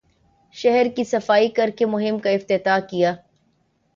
شہر کی صفائی کر کے مہم کا افتتاح کیا